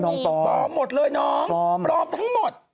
พร้อมหมดเลยน้องพร้อมทั้งหมด